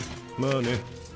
まあね。